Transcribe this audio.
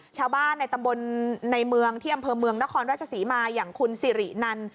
ชาวบ้านในตำบลในเมืองที่อำเภอเมืองนครราชศรีมาอย่างคุณสิรินัน